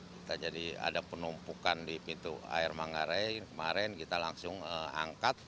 kita jadi ada penumpukan di pintu air manggarai kemarin kita langsung angkat